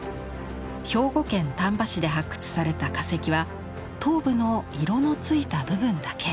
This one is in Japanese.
兵庫県丹波市で発掘された化石は頭部の色のついた部分だけ。